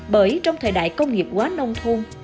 bởi trong thời đại công nghiệp quá nông thôn